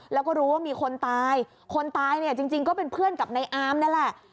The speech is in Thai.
แล้วก็รู้ว่ามีคนตายคนตายเนี่ยจริงก็เป็นเพื่อนกับนายอามนั่นแหละ